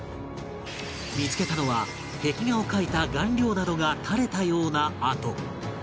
見つけたのは壁画を描いた顔料などが垂れたような跡